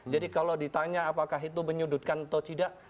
jadi kalau ditanya apakah itu menyudutkan atau tidak